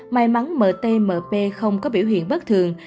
may mắn mt mp không có biểu hiện bất thường